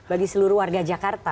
bagi seluruh warga jakarta